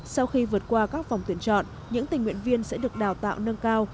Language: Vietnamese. sau khi vượt qua các vòng tuyển chọn những tình nguyện viên sẽ được đào tạo nâng cao